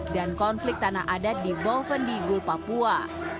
dan konflik tanah adat di boven digul papua